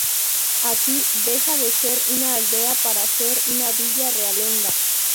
Así, deja de ser una aldea para ser una villa realenga.